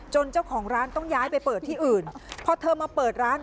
เจ้าของร้านต้องย้ายไปเปิดที่อื่นพอเธอมาเปิดร้าน